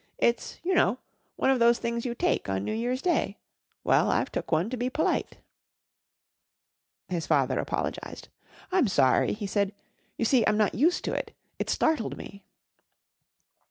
It's you know one of those things you take on New Year's Day. Well, I've took one to be p'lite." His father apologised. "I'm sorry," he said. "You see, I'm not used to it. It startled me."